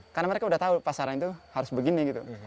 karena mereka sudah tahu pasaran itu harus begini